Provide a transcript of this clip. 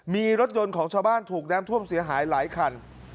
มีรถยนต์ของชาวบ้านถูกน้ำท่วมเสียหายหลายคัน